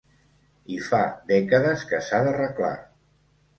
I fa dècades que s’ha d’arreglar.